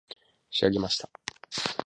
仕上げました